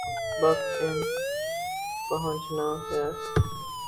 وقت آن پہنچا ہے۔